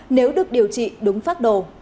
nếu được điều trị đúng phát đồ